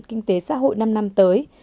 kinh tế xã hội năm năm tới